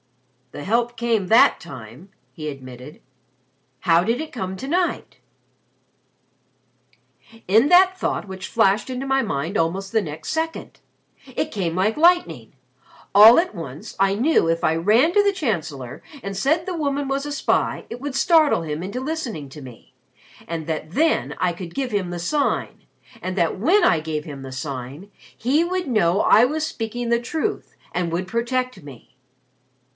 "The help came that time," he admitted. "How did it come to night?" "In that thought which flashed into my mind almost the next second. It came like lightning. All at once I knew if I ran to the Chancellor and said the woman was a spy, it would startle him into listening to me; and that then I could give him the Sign; and that when I gave him the Sign, he would know I was speaking the truth and would protect me."